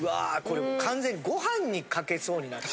これ完全にご飯にかけそうになる。